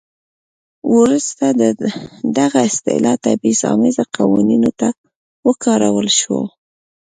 وروسته دغه اصطلاح تبعیض امیزه قوانینو ته وکارول شوه.